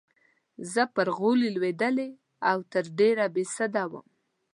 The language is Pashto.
زه پر غولي رالوېدلې او تر ډېره بې سده وم.